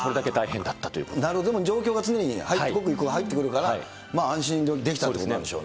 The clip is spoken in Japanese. なるほど、でも状況が常に刻一刻入ってくるから、安心できたということなんでしょうね。